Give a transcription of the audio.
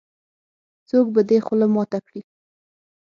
-څوک به دې خوله ماته کړې.